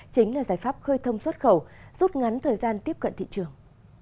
chính là giải pháp khơi thông xuất khẩu rút ngắn thời gian tiếp cận thị trường